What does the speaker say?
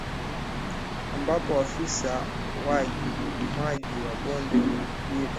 ambapo Afisa waji Maji wa Bonde ndiye Katibu wa Bodi hiyo